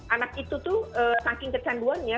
anak itu tuh saking kecanduannya